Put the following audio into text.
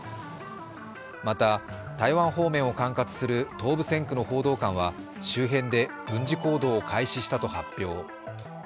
また、台湾方面を管轄する東部戦区の報道官は周辺で軍事行動を開始したと発表。